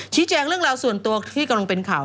แจ้งเรื่องราวส่วนตัวที่กำลังเป็นข่าว